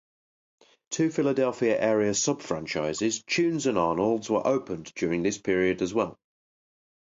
Two Philadelphia area subfranchises, Tunes and Arnold's, were opened during this period as well.